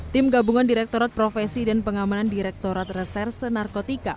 tim gabungan direktorat profesi dan pengamanan direktorat reserse narkotika